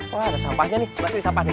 wah ada sampahnya nih masih sampah nih